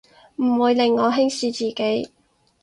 唔會令我輕視自己